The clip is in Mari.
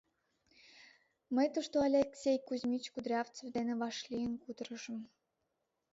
Мый тушто Алексей Кузьмич Кудрявцев дене вашлийын кутырышым.